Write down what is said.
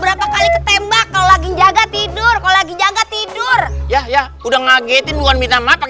berapa kali ketembak lagi jaga tidur tidur ya udah ngagetin bukan minta mata